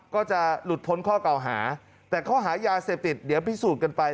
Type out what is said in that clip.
ก็จะหลุดพ้นข้อเก่าหาแต่ข้อหายาเสพติดเดี๋ยวพิสูจน์กันไป